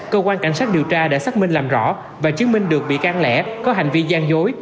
cơ quan cảnh sát điều tra đã xác minh làm rõ và chứng minh được bị can lẻ có hành vi gian dối